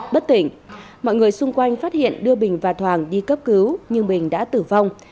bất tỉnh mọi người xung quanh phát hiện đưa bình và thoảng đi cấp cứu nhưng bình đã tử vong